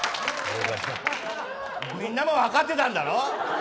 みんなも分かってたんだろ。